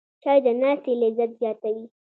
چای د ناستې لذت زیاتوي